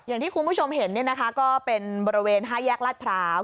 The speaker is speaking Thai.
อย่างที่คุณผู้ชมเห็นก็เป็นบริเวณ๕แยกลาดพร้าว